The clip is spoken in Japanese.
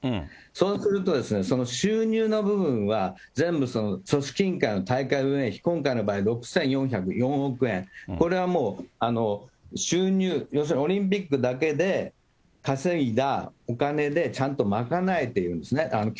そうすると、その収入の部分は全部組織委員会の大会運営費、今回の場合、６４０４億円、これはもう収入、要するにオリンピックだけで稼いだお金でちゃんと賄えているんですね。